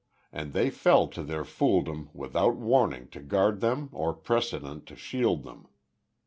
And they fell to their fooldom without warning to guard them or precedent to shield them.